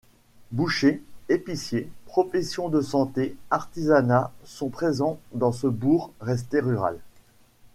Boucher, épicier, professions de santé, artisanat sont présents dans ce bourg resté rural.